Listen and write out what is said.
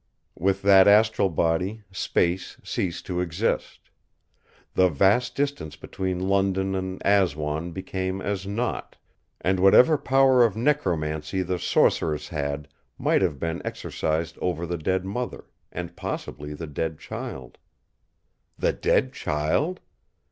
With that astral body, space ceased to exist. The vast distance between London and Aswan became as naught; and whatever power of necromancy the Sorceress had might have been exercised over the dead mother, and possibly the dead child. The dead child!